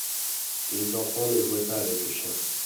les enfants ne jouaient pas avec le chien.